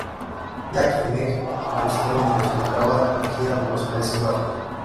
Jack y Meg la visitaron mientras se encontraban de gira por los Países Bajos.